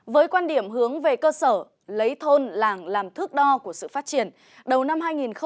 với quan điểm hướng về cơ sở lấy thôn làng làm thước đo của sự phát triển đầu năm hai nghìn một mươi chín